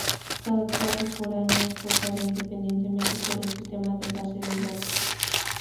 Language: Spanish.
Cada clave foránea es forzada independientemente por el sistema de base de datos.